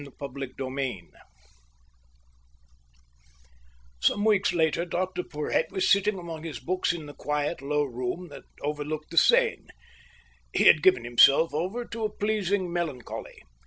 Chapter XIII Some weeks later Dr Porhoët was sitting among his books in the quiet, low room that overlooked the Seine. He had given himself over to a pleasing melancholy.